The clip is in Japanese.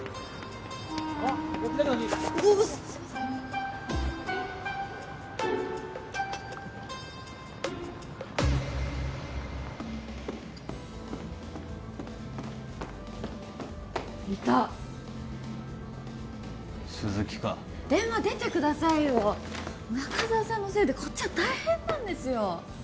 おおっすいませんいた鈴木か電話出てくださいよ中沢さんのせいでこっちは大変なんですよ